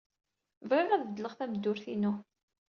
Bɣiɣ ad beddleɣ tameddurt-inu.